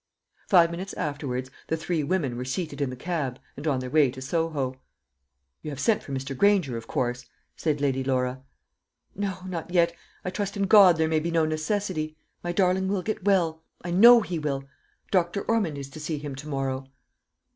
Five minutes afterwards, the three women were seated in the cab, and on their way to Soho. "You have sent for Mr. Granger, of course," said Lady Laura. "No, not yet. I trust in God there may be no necessity; my darling will get well; I know he will! Dr. Ormond is to see him to morrow."